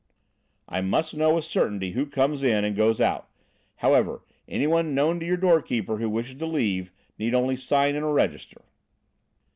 "I must know with certainty who comes in and goes out. However, anyone known to your doorkeeper who wishes to leave need only sign in a register."